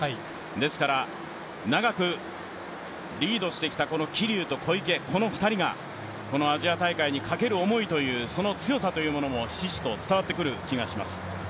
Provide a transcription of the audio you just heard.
ですから、長くリードしてきた桐生と小池、この２人がアジア大会にかける思いという、その強さというものもひしひしと伝わってくる気がします。